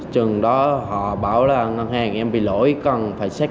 trường đó họ báo là ngân hàng em bị lỗi cần phải xét minh